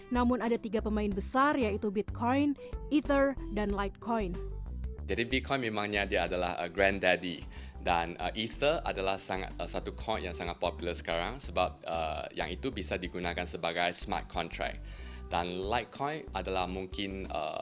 namun ada tiga pemain besar yaitu bitcoin ether dan light coin